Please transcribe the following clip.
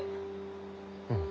うん。